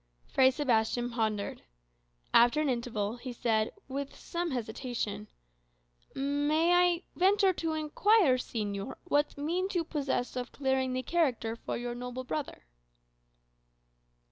Fray Sebastian pondered. After an interval he said, with some hesitation, "May I venture to inquire, señor, what means you possess of clearing the character of your noble brother?"